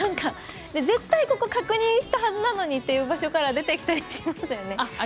絶対ここ確認したはずなのにという場所から出てきたりしますね。